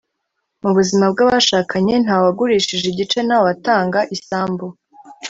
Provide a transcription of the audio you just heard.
mu buzima bw’abashakanye nta wagurisha igice, ntawatanga isambu,